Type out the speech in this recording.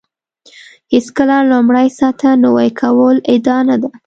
هېڅکله لومړۍ سطح نوي کول ادعا نه ده.